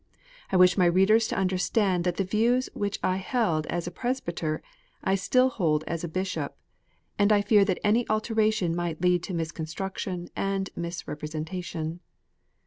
I wish my readers to understand that the views which I hold as a presbyter I still hold as a bishop; and I fear that any alteration might lead to misconstruction and misrepresentation